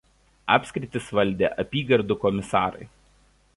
Apskritis valdė apygardų komisarai.